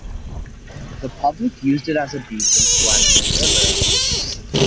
The public used it as a beach and swam in the river.